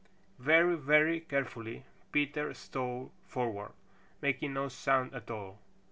Very, very carefully Peter stole forward, making no sound at all.